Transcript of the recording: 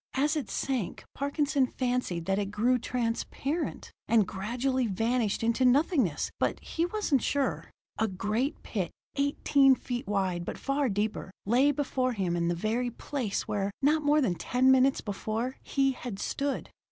As it sank, Parkinson fancied that it grew transparent, and gradually vanished into nothingness but he wasn't sure. A great pit, eighteen feet wide, but far deeper, lay before him in the very place where, not more than ten minutes before, he had stood.